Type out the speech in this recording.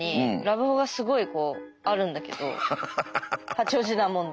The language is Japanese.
八王子なもんで。